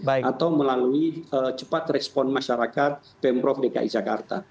atau melalui cepat respon masyarakat pemprov dki jakarta